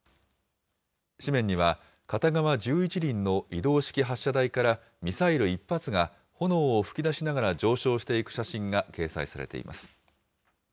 紙面には、片側１１輪の移動式発射台からミサイル１発が、炎を吹き出しながら上昇していく写真が掲載されています。